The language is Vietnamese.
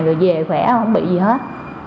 rồi về khỏe không bị gì hết